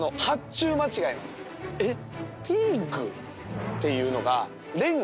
えっ？